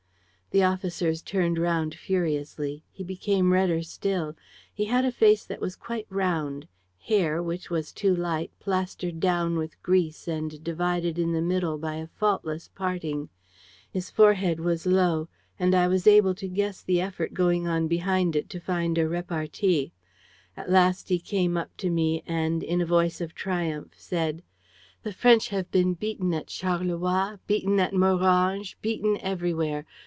"The officers turned round furiously. He became redder still. He had a face that was quite round, hair, which was too light, plastered down with grease and divided in the middle by a faultless parting. His forehead was low; and I was able to guess the effort going on behind it, to find a repartee. At last he came up to me and, in a voice of triumph, said: "'The French have been beaten at Charleroi, beaten at Morange, beaten everywhere.